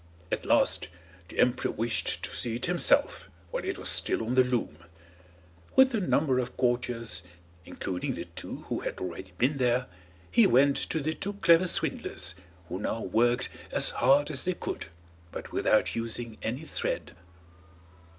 At last the emperor wished to see it himself, while it was still on the loom. With a number of courtiers, including the two who had already been there, he went to the two clever swindlers, who now worked as hard as they could, but without using any thread.